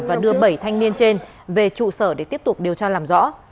và đưa bảy thanh niên trên về trụ sở để tiếp tục điều tra làm rõ